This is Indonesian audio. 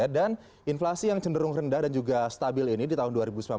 dan inflasi yang cenderung rendah dan juga stabil ini di tahun dua ribu sembilan belas